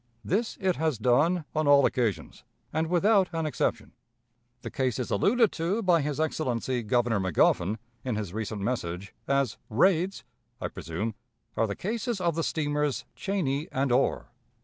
This it has done on all occasions, and without an exception. The cases alluded to by his Excellency, Governor Magoffin, in his recent message, as 'raids,' I presume, are the cases of the steamers Cheney and Orr.